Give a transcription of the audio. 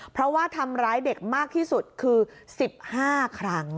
เพราะว่าทำร้ายเด็กมากที่สุดคือ๑๕ครั้ง